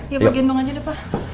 iya pak gendong aja deh pa